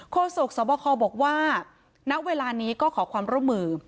โศกสวบคบอกว่าณเวลานี้ก็ขอความร่วมมือ